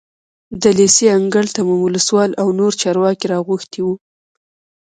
د لېسې انګړ ته مو ولسوال او نور چارواکي راغوښتي وو.